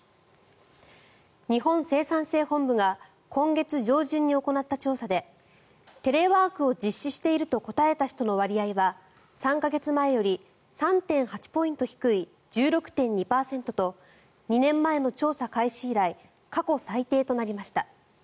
日本生産性本部が今月上旬に行った調査でテレワークを実施していると答えた人の割合は３か月前より３．８ポイント低い１６．２％と２年前の調査開始以来過去最低となりました。